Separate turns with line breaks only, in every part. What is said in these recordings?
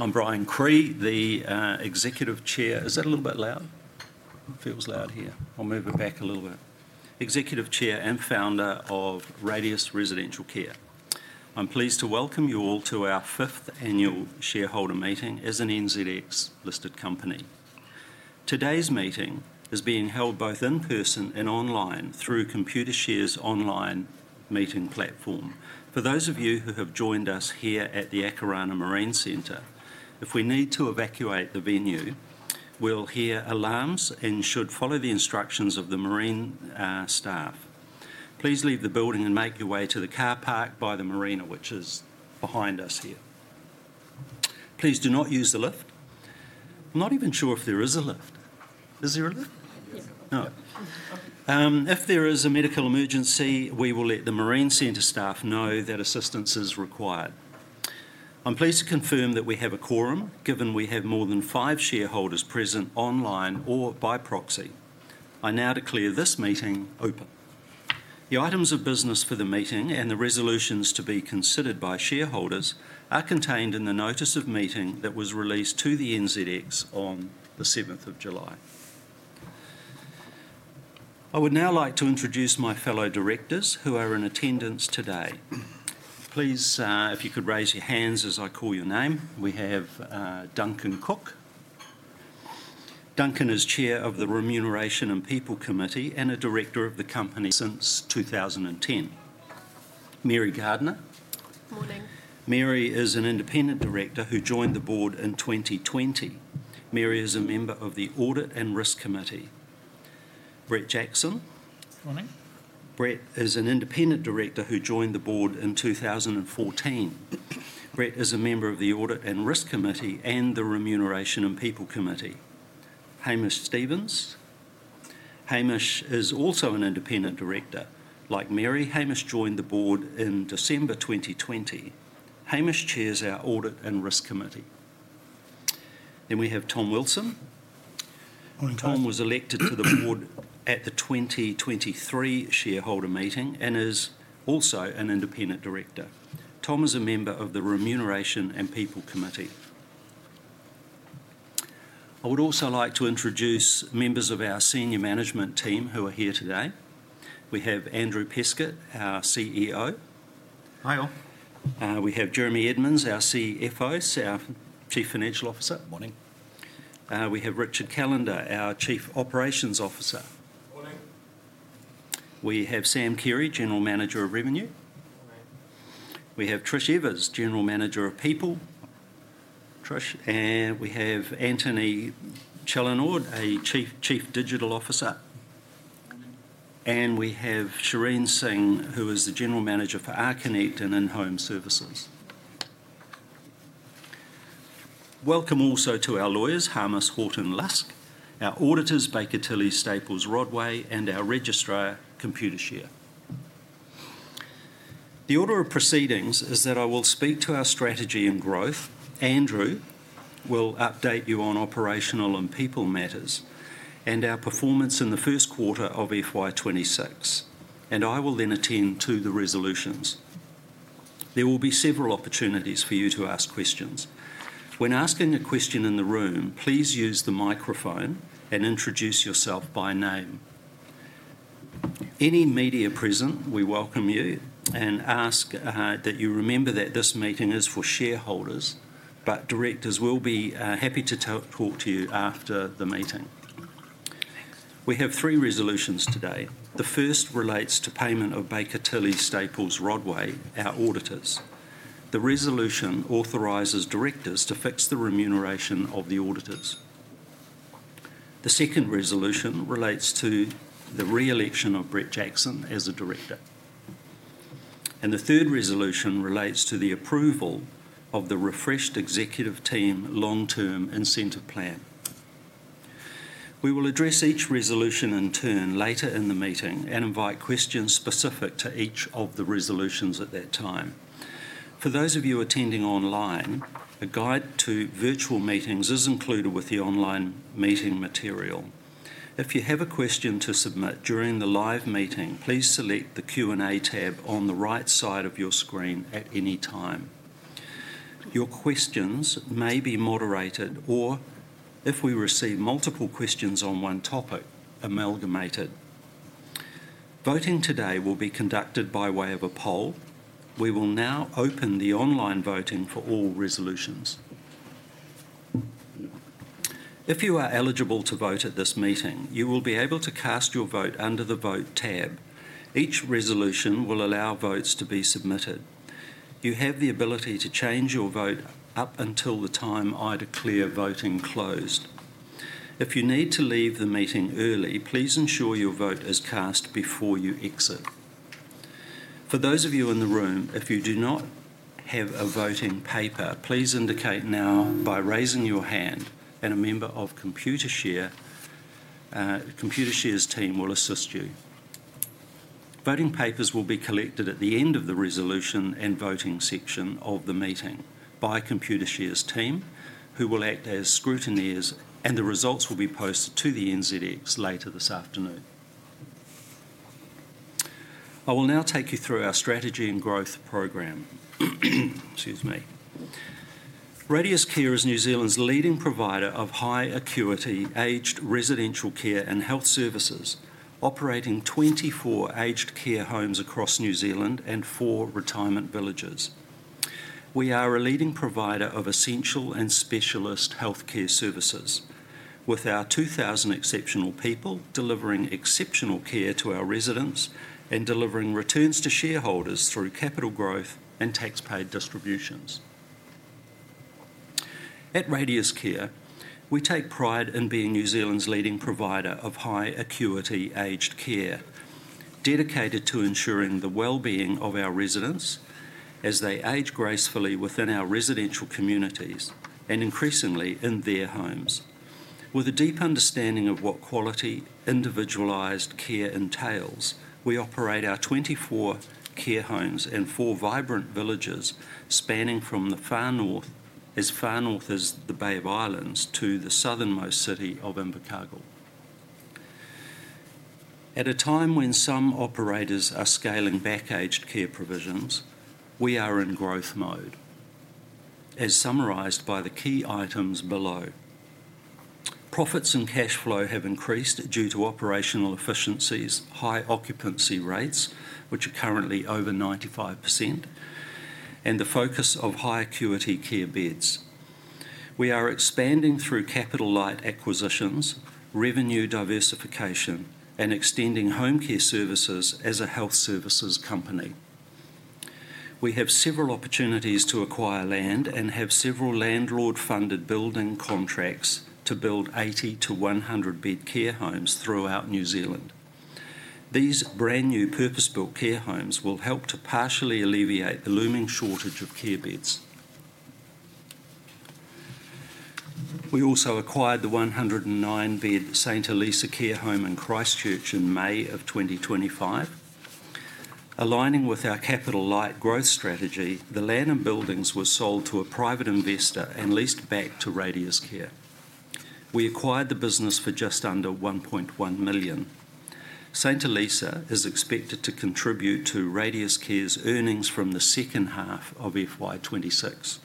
I'm Brien Cree, the Executive Chair. Is that a little bit loud? It feels loud here. I'll move it back a little bit. Executive Chair and Founder of Radius Residential Care. I'm pleased to welcome you all to our fifth annual shareholder meeting as an NZX listed company. Today's meeting is being held both in person and online through ComputerShare's online meeting platform. For those of you who have joined us here at the Akarana Marine Centre, if we need to evacuate the venue, we'll hear alarms and should follow the instructions of the Marine staff. Please leave the building and make your way to the car park by the Marina, which is behind us here. Please do not use the lift. I'm not even sure if there is a lift. Is there a lift? If there is a medical emergency, we will let the Marine Centre staff know that assistance is required. I'm pleased to confirm that we have a quorum, given we have more than five shareholders present online or by proxy. I now declare this meeting open. The items of business for the meeting and the resolutions to be considered by shareholders are contained in the notice of meeting that was released to the NZX on the 7th of July. I would now like to introduce my fellow directors who are in attendance today. Please, if you could raise your hands as I call your name. We have Duncan Cook. Duncan is Chair of the Remuneration and People Committee and a Director of the company since 2010. Mary Gardner.
Morning.
Mary Gardner is an Independent Director who joined the board in 2020. Mary is a member of the Audit and Risk Committee. Bret Jackson.
Morning.
Bret is an Independent Director who joined the board in 2014. Bret is a member of the Audit and Risk Committee and the Remuneration and People Committee. Hamish Stevens. Hamish is also an Independent Director. Like Mary, Hamish joined the board in December 2020. Hamish chairs our Audit and Risk Committee. We have Tom Wilson. Tom was elected to the board at the 2023 shareholder meeting and is also an Independent Director. Tom is a member of the Remuneration and People Committee. I would also like to introduce members of our Senior Management Team who are here today. We have Andrew Peskett, our CEO.
Hi all.
We have Jeremy Edmonds, our CFO, so Chief Financial Officer.
Morning.
We have Richard Callander, our Chief Operations Officer. We have Sam Keary, General Manager of Revenue. We have Trish Evers, General Manager of People. We have Antony Challinor, Chief Digital Officer. We have Shareen Singh, who is the General Manager for Archinect and In-Home Services. Welcome also to our lawyers, James Horton Lusk, our auditors, Baker Tilly Staples Rodway, and our Registrar, ComputerShare. The order of proceedings is that I will speak to our Strategy and Growth. Andrew will update you on operational and people matters and our performance in the first quarter of FY 2026. I will then attend to the resolutions. There will be several opportunities for you to ask questions. When asking a question in the room, please use the microphone and introduce yourself by name. Any media present, we welcome you and ask that you remember that this meeting is for shareholders, but directors will be happy to talk to you after the meeting. We have three resolutions today. The first relates to payment of Baker Tilly Staples Rodway, our auditors. The resolution authorizes directors to fix the remuneration of the auditors. The second resolution relates to the reelection of Bret Jackson as a Director. The third resolution relates to the approval of the refreshed executive long-term incentive plan. We will address each resolution in turn later in the meeting and invite questions specific to each of the resolutions at that time. For those of you attending online, a guide to virtual meetings is included with the online meeting material. If you have a question to submit during the live meeting, please select the Q&A tab on the right side of your screen at any time. Your questions may be moderated or, if we receive multiple questions on one topic, amalgamated. Voting today will be conducted by way of a poll. We will now open the online voting for all resolutions. If you are eligible to vote at this meeting, you will be able to cast your vote under the Vote tab. Each resolution will allow votes to be submitted. You have the ability to change your vote up until the time I declare voting closed. If you need to leave the meeting early, please ensure your vote is cast before you exit. For those of you in the room, if you do not have a voting paper, please indicate now by raising your hand and a member of ComputerShare's team will assist you. Voting papers will be collected at the end of the resolution and voting section of the meeting by ComputerShare's team, who will act as scrutineers, and the results will be posted to the NZX later this afternoon. I will now take you through our Strategy and Growth program. Excuse me. Radius Care is New Zealand's leading provider of high-acuity aged residential care and health services, operating 24 aged care homes across New Zealand and four retirement villages. We are a leading provider of essential and specialist healthcare services, with our 2,000 exceptional people delivering exceptional care to our residents and delivering returns to shareholders through capital growth and taxpayer distributions. At Radius Care, we take pride in being New Zealand's leading provider of high-acuity aged care, dedicated to ensuring the wellbeing of our residents as they age gracefully within our residential communities and increasingly in their homes. With a deep understanding of what quality, individualized care entails, we operate our 24 care homes and four vibrant villages, spanning from the far north, as far north as the Bay of Islands, to the southernmost city of Invercargill. At a time when some operators are scaling back aged care provisions, we are in growth mode, as summarized by the key items below. Profits and cash flow have increased due to operational efficiencies, high occupancy rates, which are currently over 95%, and the focus of high-acuity care beds. We are expanding through capital light acquisitions, revenue diversification, and extending home care services as a health services company. We have several opportunities to acquire land and have several landlord-funded building contracts to build 80 to 100 bed care homes throughout New Zealand. These brand new purpose-built care homes will help to partially alleviate the looming shortage of care beds. We also acquired the 109-bed St. Elisa Care Home in Christchurch in May of 2025. Aligning with our capital light growth strategy, the land and buildings were sold to a private investor and leased back to Radius Care. We acquired the business for just under $1.1 million. St. Elisa is expected to contribute to Radius Care's earnings from the second half of FY 2026.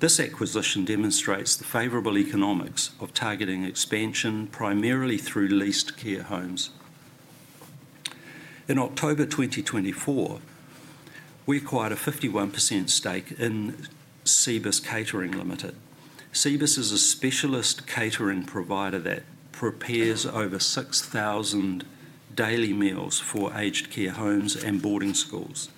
This acquisition demonstrates the favorable economics of targeting expansion primarily through leased care homes. In October 2024, we acquired a 51% stake in Cibus Catering Ltd. Cibus is a specialist catering provider that prepares over 6,000 daily meals for aged care homes and boarding schools.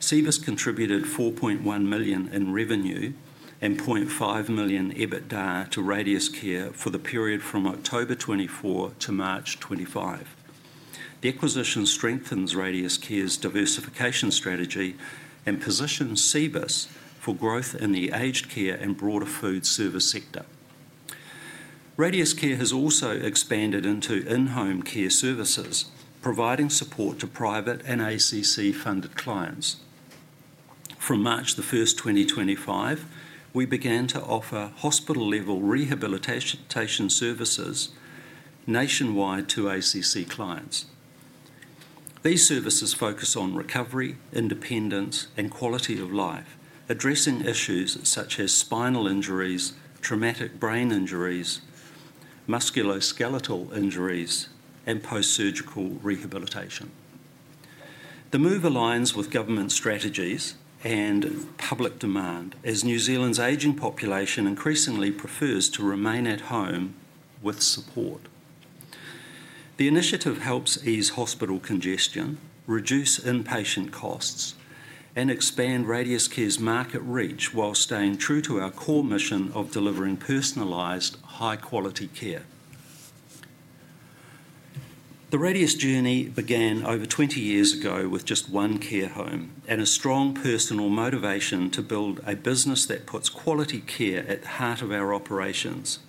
Cibus contributed $4.1 million in revenue and $0.5 million EBITDA to Radius Care for the period from October 2024 to March 2025. The acquisition strengthens Radius Care's diversification strategy and positions Cibus for growth in the aged care and broader food service sector. Radius Care has also expanded into in-home services, providing support to private and ACC-funded clients. From March the 1st, 2025, we began to offer hospital-level rehabilitation services nationwide to ACC clients. These services focus on recovery, independence, and quality of life, addressing issues such as spinal injuries, traumatic brain injuries, musculoskeletal injuries, and post-surgical rehabilitation. The move aligns with government strategies and public demand, as New Zealand's aging population increasingly prefers to remain at home with support. The initiative helps ease hospital congestion, reduce inpatient costs, and expand Radius Care's market reach while staying true to our core mission of delivering personalized, high-quality care. The Radius journey began over 20 years ago with just one care home and a strong personal motivation to build a business that puts quality care at the heart of our operations.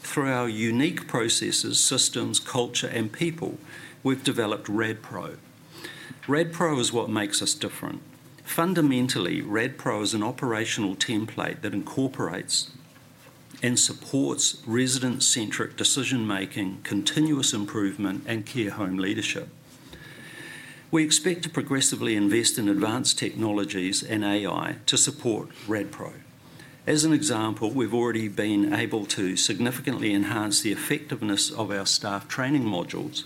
Through our unique processes, systems, culture, and people, we've developed RadPro. RadPro is what makes us different. Fundamentally, RadPro is an operational template that incorporates and supports resident-centric decision-making, continuous improvement, and care home leadership. We expect to progressively invest in advanced technologies and AI to support RadPro. As an example, we've already been able to significantly enhance the effectiveness of our staff training modules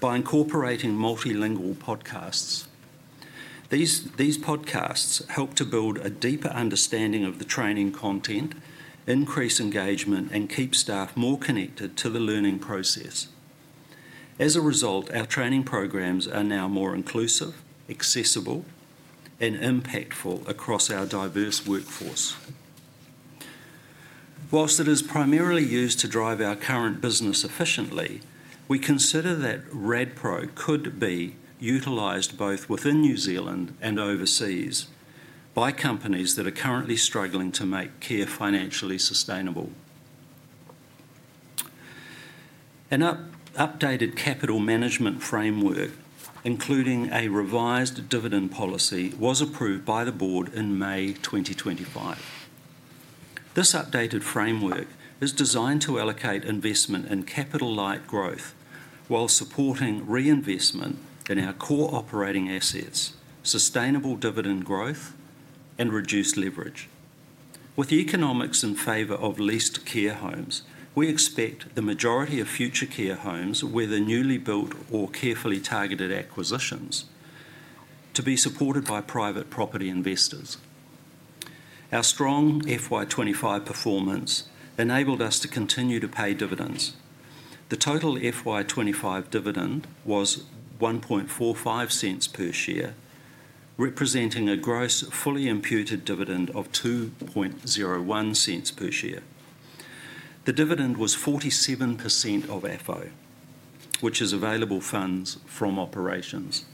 by incorporating multilingual podcasts. These podcasts help to build a deeper understanding of the training content, increase engagement, and keep staff more connected to the learning process. As a result, our training programs are now more inclusive, accessible, and impactful across our diverse workforce. Whilst it is primarily used to drive our current business efficiently, we consider that RadPro could be utilized both within New Zealand and overseas by companies that are currently struggling to make care financially sustainable. An updated capital management framework, including a revised dividend policy, was approved by the board in May 2025. This updated framework is designed to allocate investment in capital light growth while supporting reinvestment in our core operating assets, sustainable dividend growth, and reduced leverage. With the economics in favor of leased care homes, we expect the majority of future care homes, whether newly built or carefully targeted acquisitions, to be supported by private property investors. Our strong FY 2025 performance enabled us to continue to pay dividends. The total FY 2025 dividend was $0.0145 per share, representing a gross fully imputed dividend of $0.0201 per share. The dividend was 47% of FO, which is available funds from operations,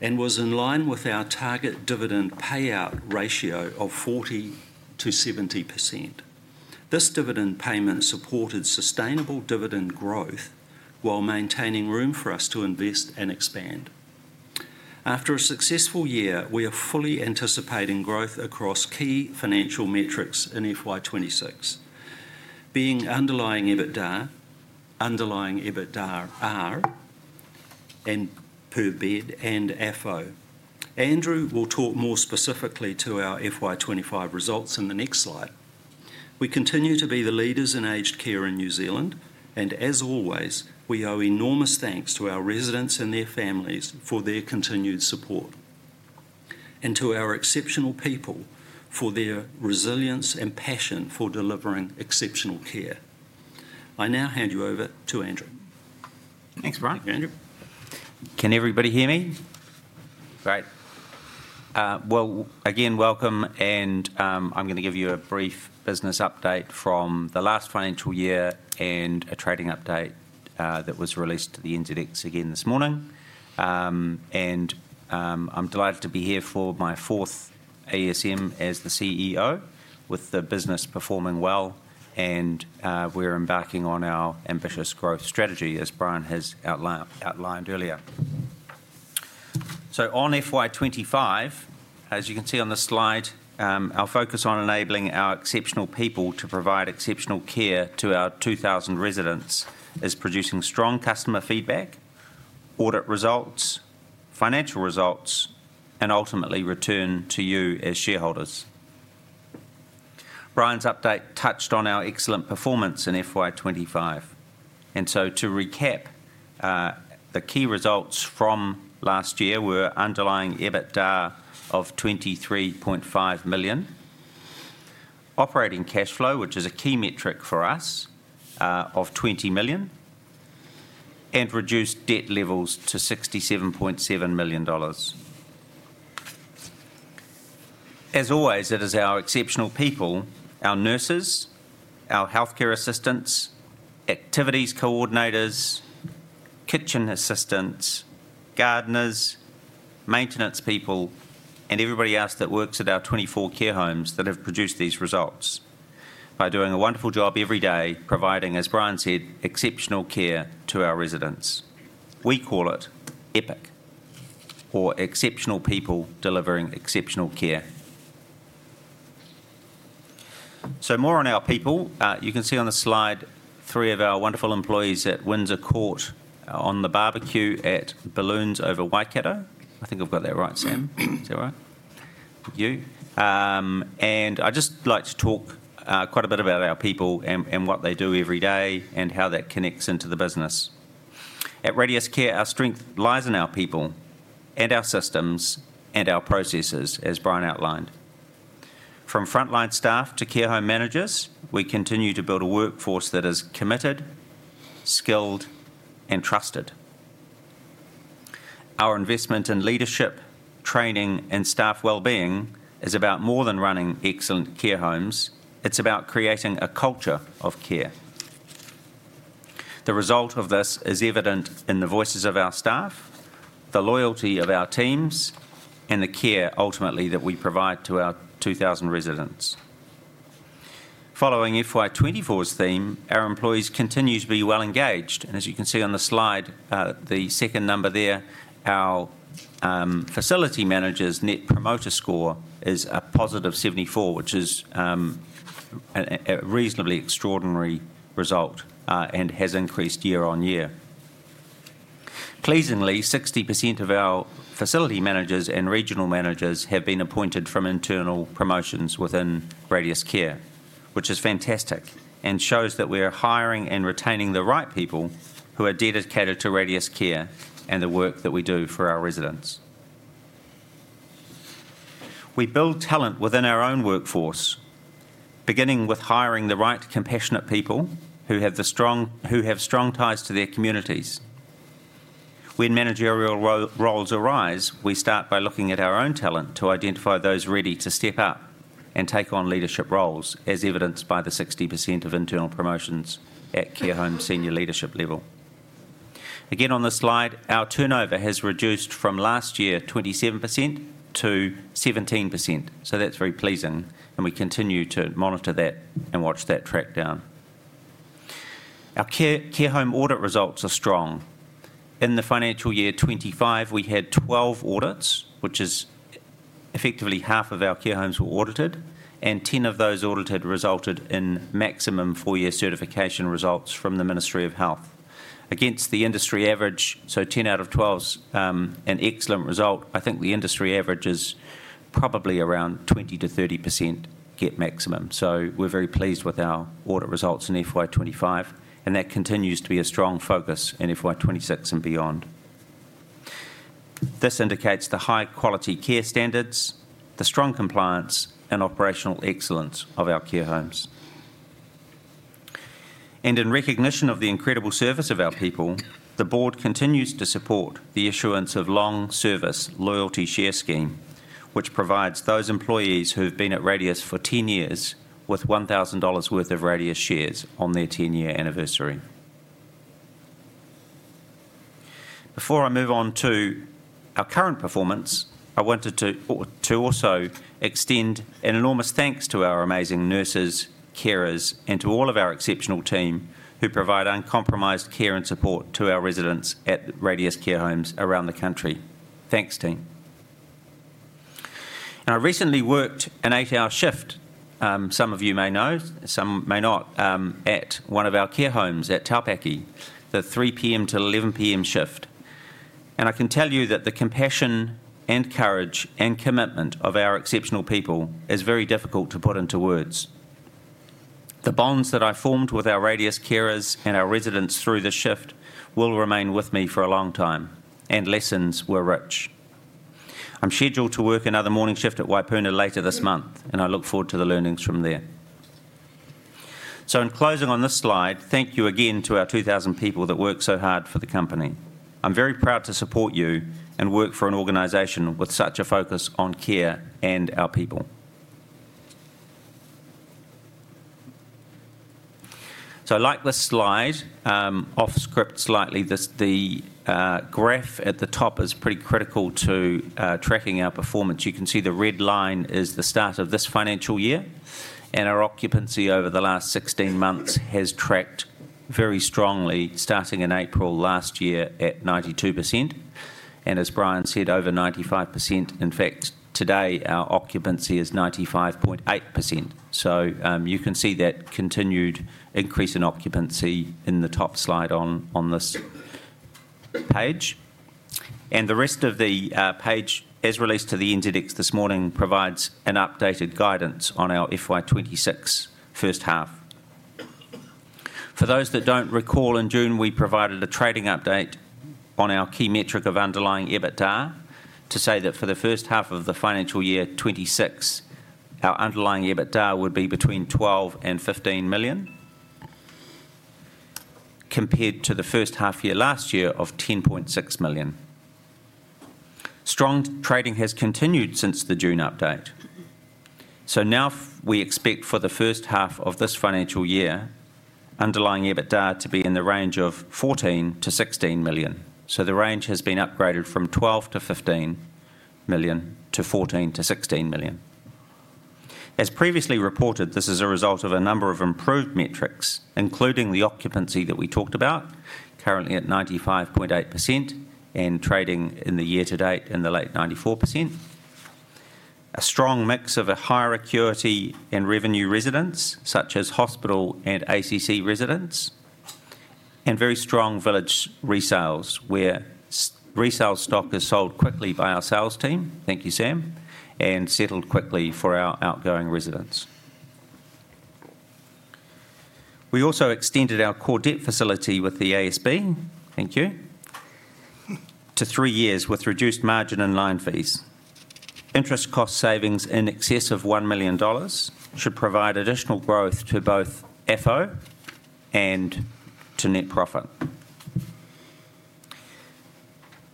and was in line with our target dividend payout ratio of 40%-70%. This dividend payment supported sustainable dividend growth while maintaining room for us to invest and expand. After a successful year, we are fully anticipating growth across key financial metrics in FY 2026, being underlying EBITDA, underlying EBITDAR, per bed, and FO. Andrew will talk more specifically to our FY 2025 results in the next slide. We continue to be the leaders in aged care in New Zealand, and as always, we owe enormous thanks to our residents and their families for their continued support. We also thank our exceptional people for their resilience and passion for delivering exceptional care. I now hand you over to Andrew.
Thanks, Brien. Can everybody hear me? Great. Again, welcome, and I'm going to give you a brief business update from the last financial year and a trading update that was released to the NZX again this morning. I'm delighted to be here for my fourth ASM as the CEO, with the business performing well, and we're embarking on our ambitious growth strategy, as Brien has outlined earlier. On FY 2025, as you can see on the slide, our focus on enabling our exceptional people to provide exceptional care to our 2,000 residents is producing strong customer feedback, audit results, financial results, and ultimately return to you as shareholders. Brien's update touched on our excellent performance in FY 2025. To recap, the key results from last year were underlying EBITDA of $23.5 million, operating cash flow, which is a key metric for us, of $20 million, and reduced debt levels to $67.7 million. As always, it is our exceptional people, our nurses, our healthcare assistants, activities coordinators, kitchen assistants, gardeners, maintenance people, and everybody else that works at our 24 care homes that have produced these results by doing a wonderful job every day, providing, as Brien said, exceptional care to our residents. We call it EPIC, or exceptional people delivering exceptional care. More on our people. You can see on the slide three of our wonderful employees at Windsor Court on the barbecue at Balloons Over Waikato. I think I've got that right, Sam. Is that right? You. I'd just like to talk quite a bit about our people and what they do every day and how that connects into the business. At Radius Care our strength lies in our people and our systems and our processes, as Brien outlined. From frontline staff to care home managers, we continue to build a workforce that is committed, skilled, and trusted. Our investment in leadership, training, and staff wellbeing is about more than running excellent care homes. It's about creating a culture of care. The result of this is evident in the voices of our staff, the loyalty of our teams, and the care ultimately that we provide to our 2,000 residents. Following FY 2024's theme, our employees continue to be well engaged. As you can see on the slide, the second number there, our facility manager's net promoter score is a +74, which is a reasonably extraordinary result and has increased year-on-year. Pleasingly, 60% of our facility managers and regional managers have been appointed from internal promotions within Radius Care, which is fantastic and shows that we're hiring and retaining the right people who are dedicated to Radius Care and the work that we do for our residents. We build talent within our own workforce, beginning with hiring the right compassionate people who have strong ties to their communities. When managerial roles arise, we start by looking at our own talent to identify those ready to step up and take on leadership roles, as evidenced by the 60% of internal promotions at care home senior leadership level. Again, on the slide, our turnover has reduced from last year, 27%, to 17%. That's very pleasing, and we continue to monitor that and watch that track down. Our care home audit results are strong. In the financial year 2025, we had 12 audits, which is effectively half of our care homes were audited, and 10 of those audited resulted in maximum four-year certification results from the Ministry of Health. Against the industry average, 10 out of 12 is an excellent result. I think the industry average is probably around 20%-30% cap maximum. We're very pleased with our audit results in FY 2025, and that continues to be a strong focus in FY 2026 and beyond. This indicates the high quality care standards, the strong compliance, and operational excellence of our care homes. In recognition of the incredible service of our people, the board continues to support the issuance of a long-service loyalty share scheme, which provides those employees who have been at Radius for 10 years with $1,000 worth of Radius shares on their 10-year anniversary. Before I move on to our current performance, I wanted to also extend an enormous thanks to our amazing nurses, carers, and to all of our exceptional team who provide uncompromised care and support to our residents at Radius Care Homes around the country. Thanks, team. I recently worked an eight-hour shift, some of you may know, some may not, at one of our care homes at Taupaki, the 3:00 P.M.-11:00 P.M. shift. I can tell you that the compassion and courage and commitment of our exceptional people is very difficult to put into words. The bonds that I formed with our Radius carers and our residents through this shift will remain with me for a long time, and lessons were rich. I'm scheduled to work another morning shift at Waipuna later this month, and I look forward to the learnings from there. In closing on this slide, thank you again to our 2,000 people that work so hard for the company. I'm very proud to support you and work for an organization with such a focus on care and our people. I like this slide. Off script slightly, the graph at the top is pretty critical to tracking our performance. You can see the red line is the start of this financial year, and our occupancy over the last 16 months has tracked very strongly, starting in April last year at 92%. As Brien said, over 95%. In fact, today our occupancy is 95.8%. You can see that continued increase in occupancy in the top slide on this page. The rest of the page, as released to the NZX this morning, provides an updated guidance on our FY 2026 first half. For those that don't recall, in June we provided a trading update on our key metric of underlying EBITDA to say that for the first half of the financial year 2026, our underlying EBITDA would be between $12 million and $15 million compared to the first half year last year of $10.6 million. Strong trading has continued since the June update. Now we expect for the first half of this financial year underlying EBITDA to be in the range of $14 million-$16 million. The range has been upgraded from $12 million to $15 million to $14 million to $16 million. As previously reported, this is a result of a number of improved metrics, including the occupancy that we talked about, currently at 95.8% and trading in the year to date in the late 94%. A strong mix of a higher acuity and revenue residents, such as hospital and ACC residents, and very strong village resales where resale stock is sold quickly by our sales team. Thank you, Sam, and settled quickly for our outgoing residents. We also extended our core debt facility with the ASB, thank you, to three years with reduced margin and line fees. Interest cost savings in excess of $1 million should provide additional growth to both FO and to net profit.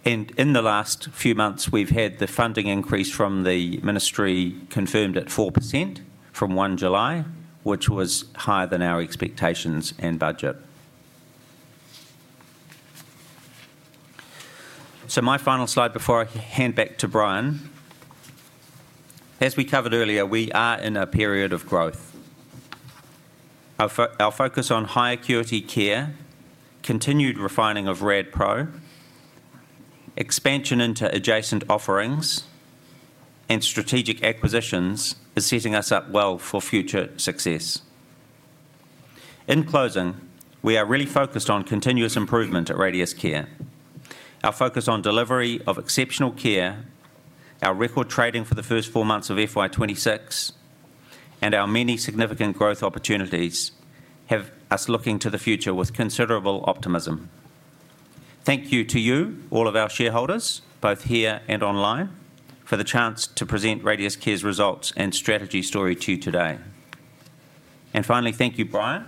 In the last few months, we've had the funding increase from the Ministry confirmed at 4% from 1 July, which was higher than our expectations and budget. My final slide before I hand back to Brien. As we covered earlier, we are in a period of growth. Our focus on high-acuity care, continued refining of RadPro, expansion into adjacent offerings, and strategic acquisitions is setting us up well for future success. In closing, we are really focused on continuous improvement at Radius Care. Our focus on delivery of exceptional care, our record trading for the first four months of FY 2026, and our many significant growth opportunities have us looking to the future with considerable optimism. Thank you to you, all of our shareholders, both here and online, for the chance to present Radius Care's results and strategy story to you today. Finally, thank you, Brien,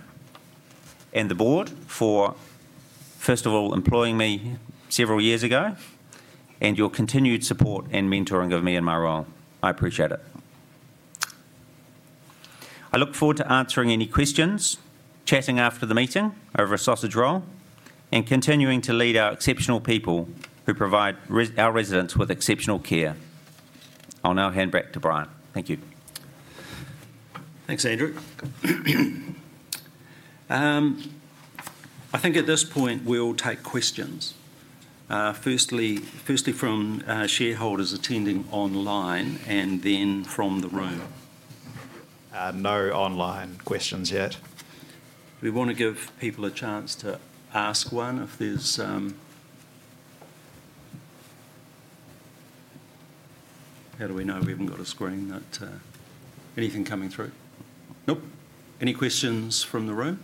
and the board for, first of all, employing me several years ago and your continued support and mentoring of me in my role. I appreciate it. I look forward to answering any questions, chatting after the meeting over a sausage roll, and continuing to lead our exceptional people who provide our residents with exceptional care. I'll now hand back to Brien. Thank you.
Thanks, Andrew. I think at this point we'll take questions, firstly from shareholders attending online and then from the room.
No online questions yet.
We want to give people a chance to ask one if there's... How do we know we haven't got a screen that... Anything coming through? Nope. Any questions from the room?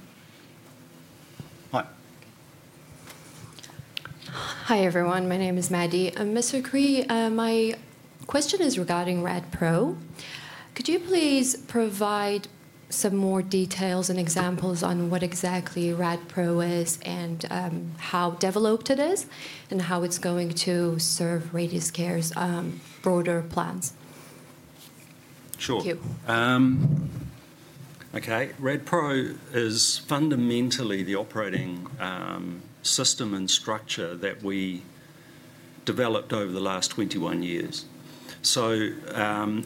Hi. Hi everyone, my name is Maddy. I'm Mr. Cree. My question is regarding RadPro. Could you please provide some more details and examples on what exactly RadPro is and how developed it is and how it's going to serve Radius Care's broader plans? Sure. Okay. RadPro is fundamentally the operating system and structure that we developed over the last 21 years.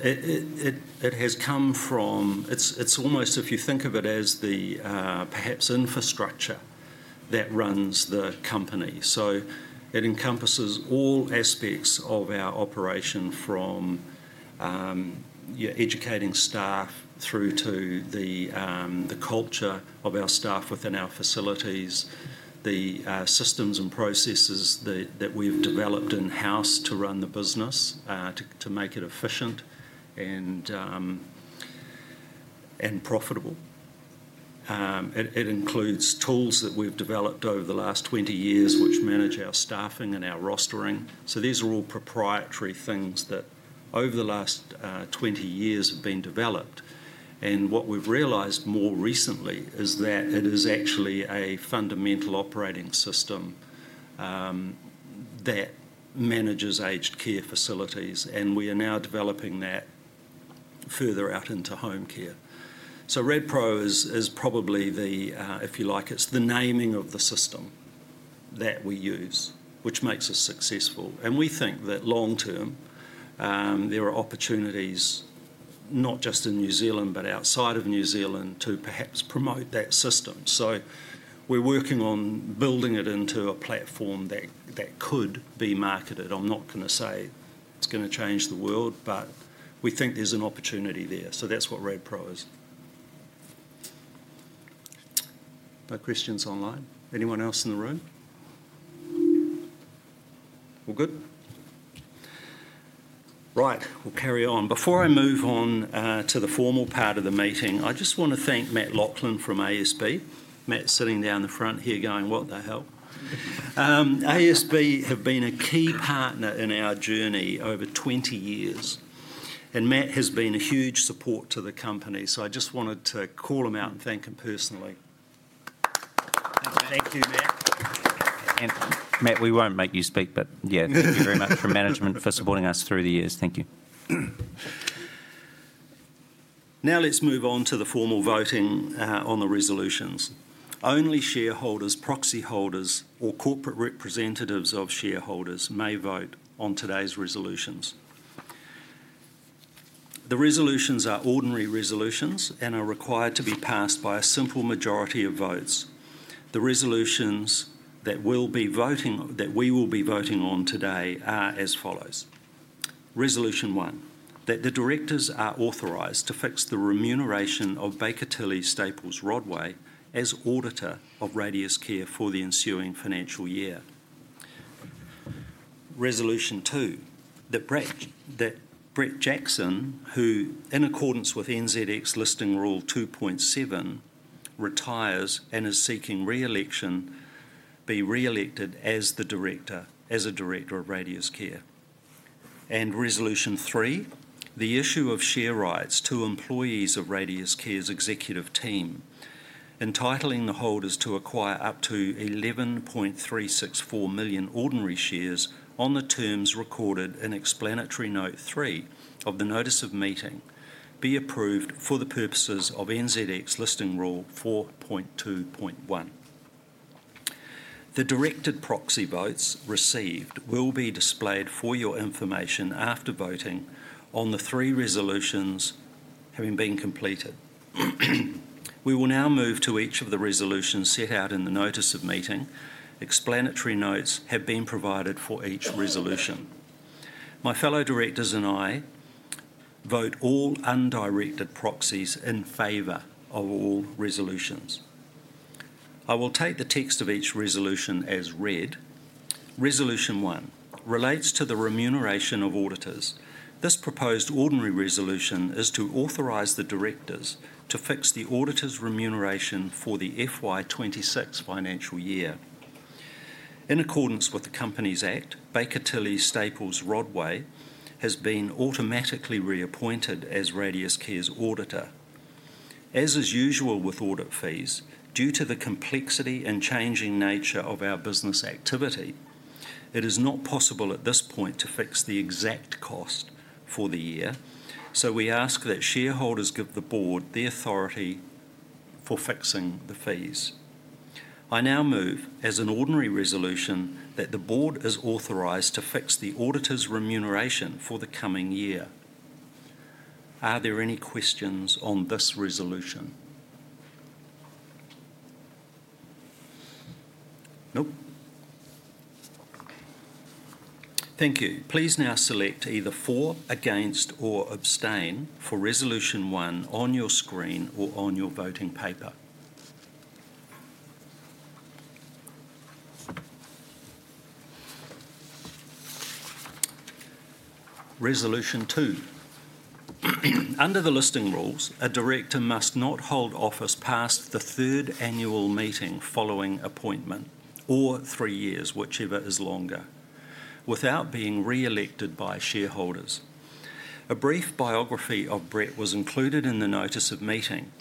It has come from, it's almost if you think of it as the perhaps infrastructure that runs the company. It encompasses all aspects of our operation from educating staff through to the culture of our staff within our facilities, the systems and processes that we've developed in-house to run the business, to make it efficient and profitable. It includes tools that we've developed over the last 20 years, which manage our staffing and our rostering. These are all proprietary things that over the last 20 years have been developed. What we've realized more recently is that it is actually a fundamental operating system that manages aged care facilities, and we are now developing that further out into home care. RadPro is probably the, if you like, it's the naming of the system that we use, which makes us successful. We think that long term, there are opportunities not just in New Zealand, but outside of New Zealand to perhaps promote that system. We're working on building it into a platform that could be marketed. I'm not going to say it's going to change the world, but we think there's an opportunity there. That's what RadPro is. No questions online. Anyone else in the room? All good? Right, we'll carry on. Before I move on to the formal part of the meeting, I just want to thank Matt Locklin from ASB. Matt's sitting down the front here going, what the hell? ASB have been a key partner in our journey over 20 years, and Matt has been a huge support to the company. I just wanted to call him out and thank him personally.
Thank you, Matt. Matt, we won't make you speak, but thank you very much for management for supporting us through the years. Thank you.
Now let's move on to the formal voting on the resolutions. Only shareholders, proxy holders, or corporate representatives of shareholders may vote on today's resolutions. The resolutions are ordinary resolutions and are required to be passed by a simple majority of votes. The resolutions that we will be voting on today are as follows. Resolution one, that the directors are authorized to fix the remuneration of Baker Tilly Staples Rodway as auditor of Radius Care for the ensuing financial year. Resolution two, that Bret Jackson, who in accordance with NZX listing rule 2.7 retires and is seeking reelection, be reelected as a director of Radius Care. Resolution three, the issue of share rights to employees of Radius Care's executive team, entitling the holders to acquire up to $11.364 million ordinary shares on the terms recorded in explanatory note three of the notice of meeting, be approved for the purposes of NZX listing Rule 4.2.1. The directed proxy votes received will be displayed for your information after voting on the three resolutions has been completed. We will now move to each of the resolutions set out in the notice of meeting. Explanatory notes have been provided for each resolution. My fellow directors and I vote all undirected proxies in favor of all resolutions. I will take the text of each resolution as read. Resolution one relates to the remuneration of auditors. This proposed ordinary resolution is to authorize the directors to fix the auditor's remuneration for the FY 2026 financial year. In accordance with the Companies Act, Baker Tilly Staples Rodway has been automatically reappointed as Radius Care's auditor. As is usual with audit fees, due to the complexity and changing nature of our business activity, it is not possible at this point to fix the exact cost for the year. We ask that shareholders give the board their authority for fixing the fees. I now move as an ordinary resolution that the board is authorized to fix the auditor's remuneration for the coming year. Are there any questions on this resolution? Nope. Thank you. Please now select either for, against, or abstain for resolution one on your screen or on your voting paper. Resolution two. Under the listing rules, a director must not hold office past the third annual meeting following appointment or three years, whichever is longer, without being reelected by shareholders. A brief biography of Bret was included in the notice of meeting.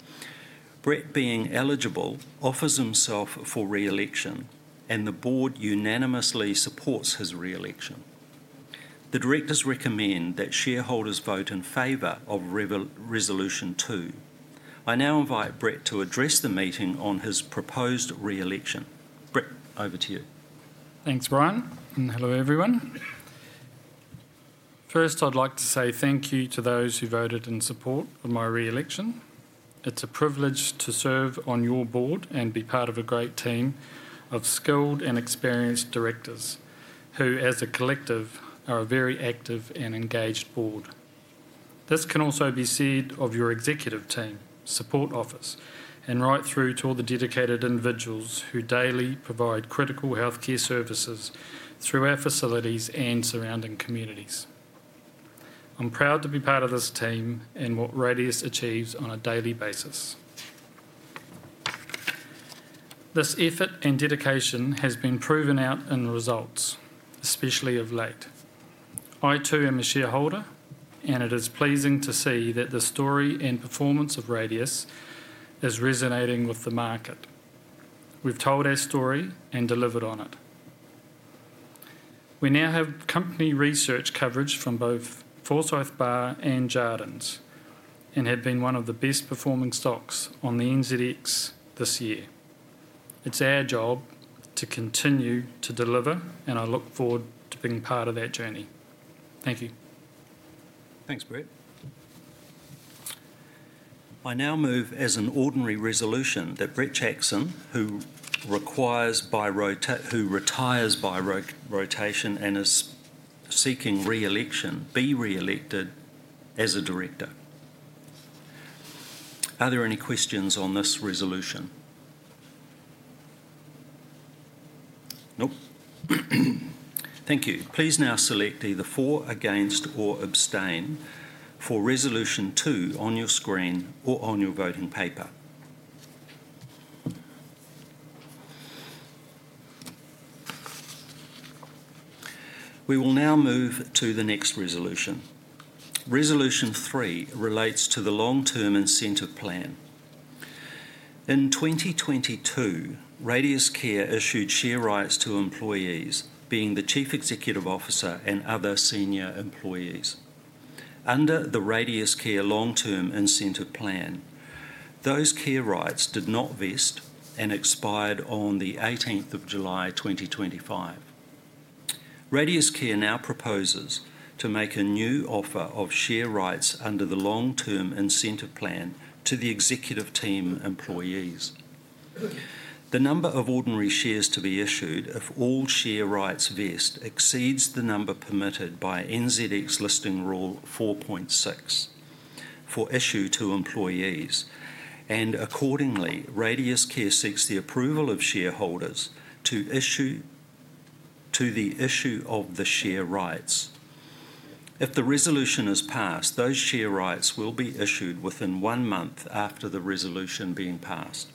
Bret, being eligible, offers himself for reelection, and the board unanimously supports his reelection. The directors recommend that shareholders vote in favor of resolution two. I now invite Bret to address the meeting on his proposed reelection. Bret, over to you.
Thanks, Brien, and hello everyone. First, I'd like to say thank you to those who voted in support of my reelection. It's a privilege to serve on your Board and be part of a great team of skilled and experienced directors who, as a collective, are a very active and engaged Board. This can also be said of your executive team, support office, and right through to all the dedicated individuals who daily provide critical healthcare services through our facilities and surrounding communities. I'm proud to be part of this team and what Radius achieves on a daily basis. This effort and dedication has been proven out in results, especially of late. I too am a shareholder, and it is pleasing to see that the story and performance of Radius is resonating with the market. We've told our story and delivered on it. We now have company research coverage from both Forsyth Barr and Jarden and have been one of the best performing stocks on the NZX this year. It's our job to continue to deliver, and I look forward to being part of that journey. Thank you.
Thanks, Bret. I now move as an ordinary resolution that Bret Jackson, who retires by rotation and is seeking reelection, be reelected as a director. Are there any questions on this resolution? Nope. Thank you. Please now select either for, against, or abstain for resolution two on your screen or on your voting paper. We will now move to the next resolution. Resolution three relates to the long-term incentive plan. In 2022, Radius Care issued share rights to employees, being the Chief Executive Officer and other senior employees. Under the Radius Care long-term incentive plan, those share rights did not vest and expired on the 18th of July 2025. Radius Care now proposes to make a new offer of share rights under the long-term incentive plan to the executive team employees. The number of ordinary shares to be issued if all share rights vest exceeds the number permitted by NZX listing rule 4.6 for issue to employees, and accordingly, Radius Care seeks the approval of shareholders to issue the share rights. If the resolution is passed, those share rights will be issued within one month after the resolution being passed.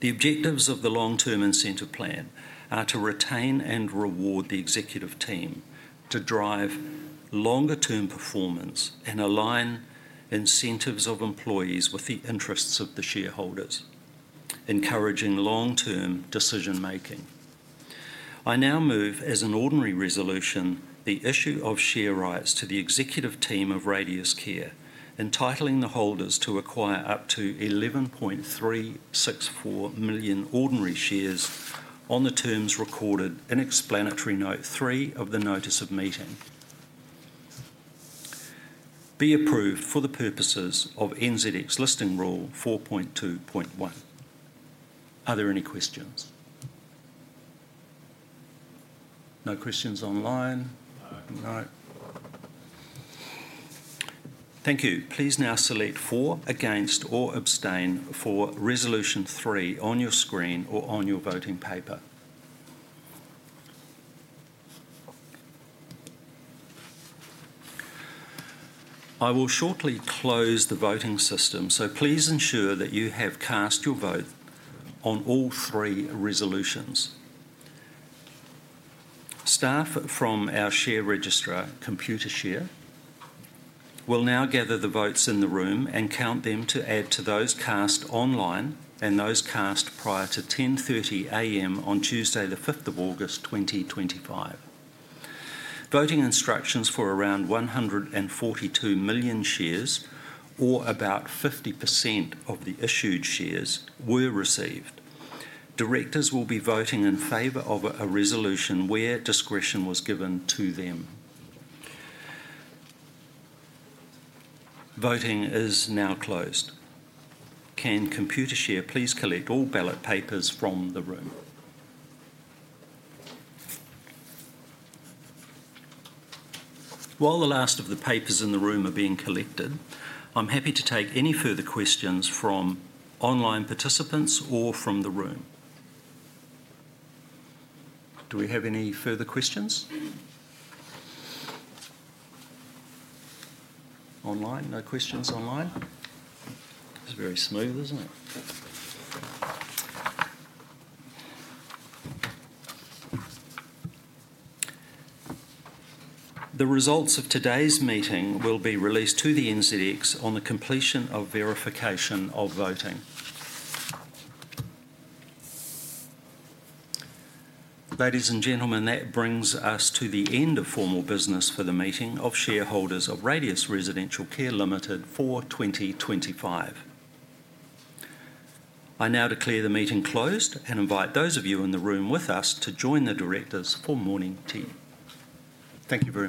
The objectives of the long-term incentive plan are to retain and reward the executive team, to drive longer-term performance, and align incentives of employees with the interests of the shareholders, encouraging long-term decision-making. I now move as an ordinary resolution the issue of share rights to the executive team of Radius Care, entitling the holders to acquire up to 11.364 million ordinary shares on the terms recorded in explanatory note three of the notice of meeting. Be approved for the purposes of NZX listing rule 4.2.1. Are there any questions?
No questions online. No.
Thank you. Please now select for, against, or abstain for resolution three on your screen or on your voting paper. I will shortly close the voting system, so please ensure that you have cast your vote on all three resolutions. Staff from our share register, ComputerShare, will now gather the votes in the room and count them to add to those cast online and those cast prior to 10:30 A.M. on Tuesday the 5th of August 2025. Voting instructions for around 142 million shares, or about 50% of the issued shares, were received. Directors will be voting in favor of a resolution where discretion was given to them. Voting is now closed. Can ComputerShare please collect all ballot papers from the room? While the last of the papers in the room are being collected, I'm happy to take any further questions from online participants or from the room. Do we have any further questions? Online, no questions online. It's very smooth, isn't it? The results of today's meeting will be released to the NZX on the completion of verification of voting. Ladies and gentlemen, that brings us to the end of formal business for the meeting of shareholders of Radius Residential Care Limited for 2025. I now declare the meeting closed and invite those of you in the room with us to join the directors for morning tea. Thank you very much.